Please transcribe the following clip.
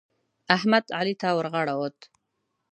احمد؛ علي ته ورغاړه وت.